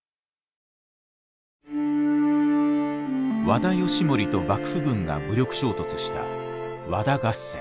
和田義盛と幕府軍が武力衝突した和田合戦。